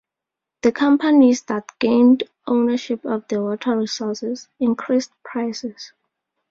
The companies that gained ownership of the water resources increased prices.